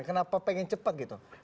kenapa pengen cepat gitu